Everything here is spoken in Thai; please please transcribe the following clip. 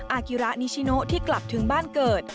อากิระนิชิโนที่กลับถึงบ้านเกิด